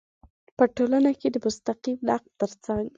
په ټولنه کې د مستقیم نقد تر څنګ